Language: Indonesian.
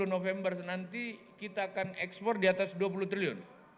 dua puluh november nanti kita akan ekspor di atas dua puluh triliun